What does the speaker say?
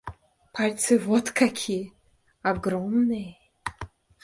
Пальцы вот какие — огромные!